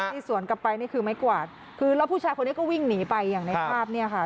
สวนกลับไปนี่คือไม้กวาดคือแล้วผู้ชายคนนี้ก็วิ่งหนีไปอย่างในภาพเนี่ยค่ะ